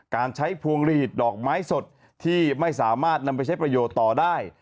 การใช้พวงหลีดดอกไม้สดที่ไม่สามารถนำไปใช้ประโยชน์ต่อได้